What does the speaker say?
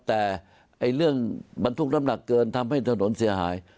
แต่เรื่องบรรทุกน้ำหนักเกินทำให้ถนนเสียหาย